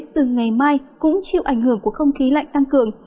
từ ngày mai cũng chịu ảnh hưởng của không khí lạnh tăng cường